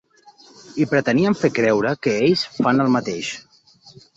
I pretenien fer creure que ells fan el mateix.